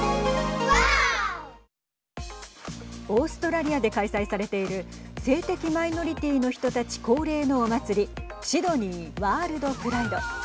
オーストラリアで開催されている性的マイノリティーの人たち恒例のお祭りシドニー・ワールドプライド。